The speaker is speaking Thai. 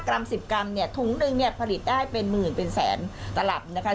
๕กรัม๑๐กรัมถุงหนึ่งผลิตได้เป็นหมื่นเป็นแสนตลับนะคะ